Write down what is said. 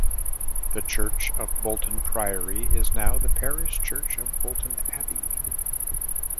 The church of Bolton Priory is now the parish church of Bolton Abbey.